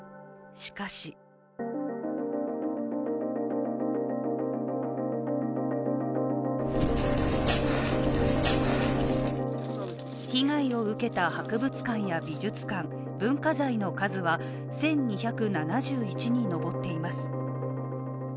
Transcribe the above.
しかし被害を受けた博物館や美術館、文化財の数は１２７１に上っています。